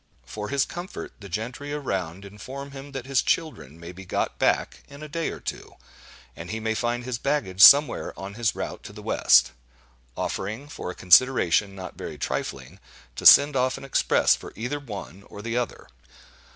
For his comfort, the gentry around inform him that his children may be got back in a day or two, and he may find his baggage somewhere on his route to the west—offering, for a consideration not very trifling, to send off an express for either one or the other.